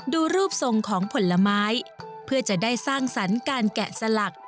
ดูรูปทรงของผลไม้เพื่อจะได้สร้างสรรค์การแกะสลัก